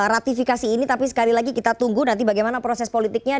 ratifikasi ini tapi sekali lagi kita tunggu nanti bagaimana proses politiknya